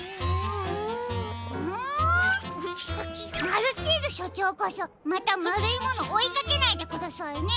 マルチーズしょちょうこそまたまるいものおいかけないでくださいね。